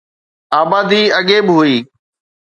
آبادي اڳي به هئي